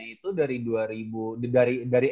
itu dari dua ribu dari